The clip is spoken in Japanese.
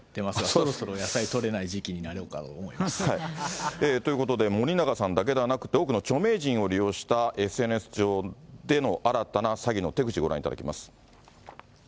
そろそろ野菜取れない時期になろということで、森永さんだけではなくて、多くの著名人を利用したＳＮＳ上での新たな詐欺の手口、ご覧いただきます。